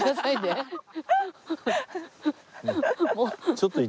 ちょっと。